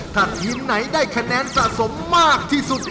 ถ้าทีมไหนได้คะแนนสะสมมากที่สุด